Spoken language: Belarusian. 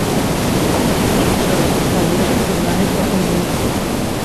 Ад пітчэра залежыць дынаміка гульні.